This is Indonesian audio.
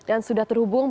dan sudah terhubungkan